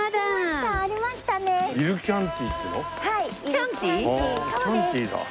キャンティだ。